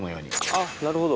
あっなるほど。